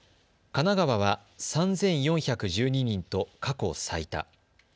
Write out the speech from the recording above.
神奈川は３４１２人と過去最多。